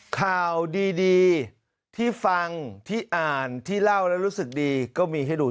ข่าวดีที่ฟังที่อ่านที่เล่าแล้วรู้สึกดีก็มีให้ดู